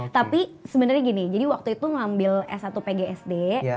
tapi sebenernya gini jadi waktu itu ngambil s satu pg sd